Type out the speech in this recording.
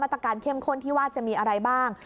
ตรการเข้มข้นที่ว่าจะมีอะไรบ้าง